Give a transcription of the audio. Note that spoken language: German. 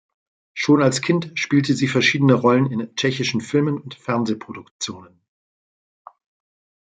Schon als Kind spielte sie verschiedene Rollen in tschechischen Filmen und Fernsehproduktionen.